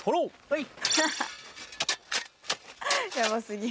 はい！